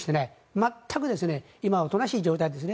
全く今はおとなしい状態ですね。